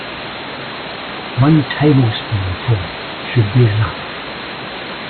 One tablespoonful should be enough.